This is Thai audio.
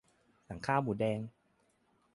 สั่งข้าวหมูแดง